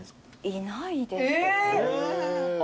いないです。